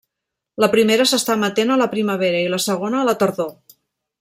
La primera s'està emetent a la primavera i la segona a la tardor.